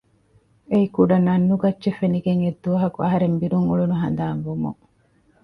އެއީ ކުޑަ ނަން ނުގައްޗެއް ފެނިގެން އެއްދުވަހަކު އަހަރެން ބިރުން އުޅުނު ހަނދާން ވުމުން